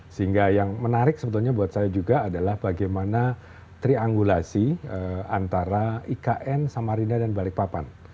sehingga yang menarik sebetulnya buat saya juga adalah bagaimana triangulasi antara ikn samarinda dan balikpapan